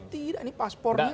tidak ini paspornya